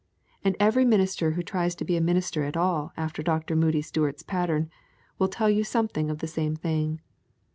And every minister who tries to be a minister at all after Dr. Moody Stuart's pattern, will tell you something of the same thing.